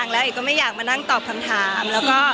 แล้วก็ไม่อยากมานั่งตอบคำถาม